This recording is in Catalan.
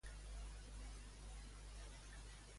Què els causa, això últim, als més esgarrifats?